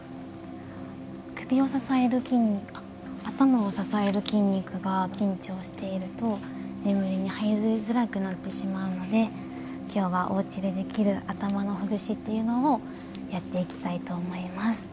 首を支える筋肉と頭を支える筋肉が緊張していると眠りに入りづらくなってしまうので今日はおうちでできる頭のほぐしをやっていきたいと思います。